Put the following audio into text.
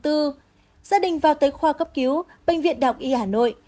gia đình vào tới khoa cấp cứu bệnh viện đạc y hà nội